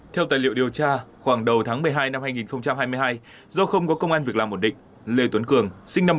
theo tài liệu điều tra khoảng đầu tháng một mươi hai năm hai nghìn hai mươi hai do không có công an việc làm ổn định lê tuấn cường sinh năm một nghìn chín trăm tám mươi